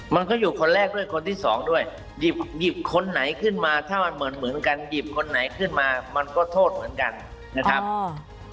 มันก็อยู่คนแรกด้วยคนที่สองด้วยหยิบหยิบคนไหนขึ้นมาถ้ามันเหมือนเหมือนกันหยิบคนไหนขึ้นมามันก็โทษเหมือนกันนะครับอืม